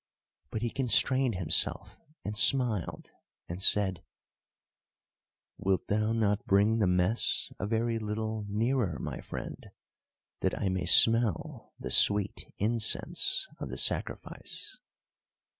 But he constrained himself and smiled, and said: "Wilt thou not bring the mess a very little nearer, my friend, that I may smell the sweet incense of the sacrifice?"